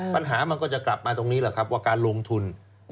ปัญหามันก็จะกลับมาตรงนี้ครับการลงทุน